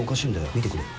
見てくれよ。